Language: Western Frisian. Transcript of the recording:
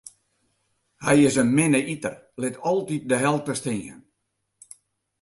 Hy is in minne iter, lit altyd de helte stean.